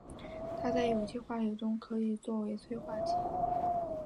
它在有机化学中可以用作催化剂。